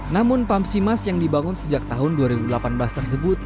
namun pamsimas yang dibangun sejak tahun dua ribu delapan belas tersebut